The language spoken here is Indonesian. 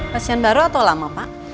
pasien baru atau lama pak